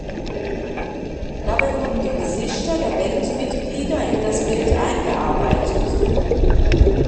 Dabei wurden die Gesichter der Bandmitglieder in das Bild eingearbeitet.